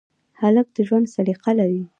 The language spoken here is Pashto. هلک د ژوند سلیقه لري.